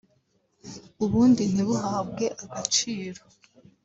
ubundi ntibuhabwe agaciro